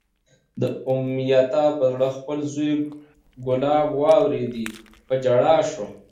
د امیة پر زړه خپل زوی کلاب واورېدی، په ژړا شو